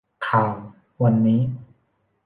ข่าววันนี้